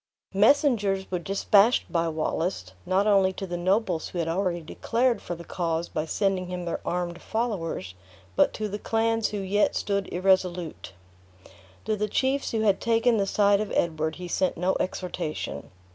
Messengers were dispatched by Wallace, not only to the nobles who had already declared for the cause by sending him their armed followers, but to the clans who yet stood irresolute. To the chiefs who had taken the side of Edward, he sent no exhortation.